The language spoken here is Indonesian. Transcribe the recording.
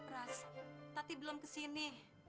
rus tadi belum kesini